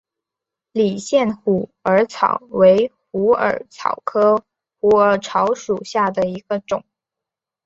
理县虎耳草为虎耳草科虎耳草属下的一个种。